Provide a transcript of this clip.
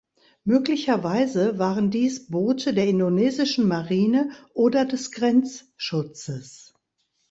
Möglicherweise waren dies Boote der indonesischen Marine oder des Grenzschutzes.